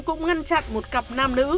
cũng ngăn chặn một cặp nam nữ